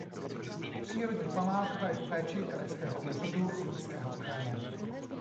Přírodní památka je v péči Krajského úřadu Zlínského kraje.